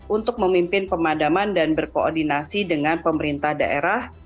untuk memimpin pemadaman dan berkoordinasi dengan pemerintah daerah